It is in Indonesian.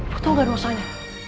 kau tau gak dosanya